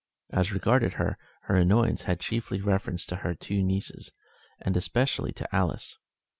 As regarded her, her annoyance had chiefly reference to her two nieces, and especially to Alice.